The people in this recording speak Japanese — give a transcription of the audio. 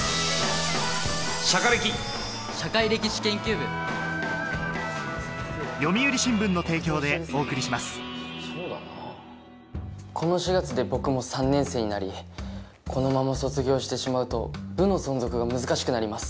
授業で全国のご当地名物を懸けたこの４月で僕も３年生になりこのまま卒業してしまうと部の存続が難しくなります。